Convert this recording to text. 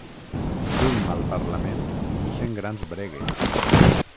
D'un mal parlament n'ixen grans bregues.